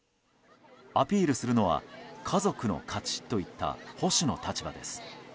アピールするのは家族の価値といった保守の立場です。